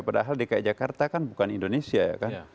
padahal dki jakarta kan bukan indonesia ya kan